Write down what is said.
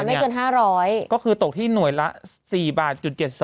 ไม่เกิน๕๐๐ก็คือตกที่หน่วยละ๔บาท๗๐